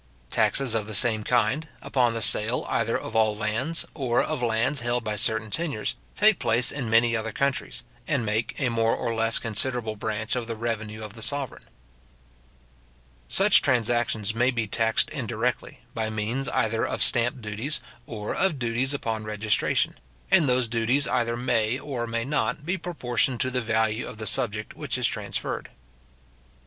157.} Taxes of the same kind, upon the sale either of all lands, or of lands held by certain tenures, take place in many other countries, and make a more or less considerable branch of the revenue of the sovereign. Such transactions may be taxed indirectly, by means either of stamp duties, or of duties upon registration; and those duties either may, or may not, be proportioned to the value of the subject which is transferred.